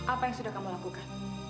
apa yang sudah kamu lakukan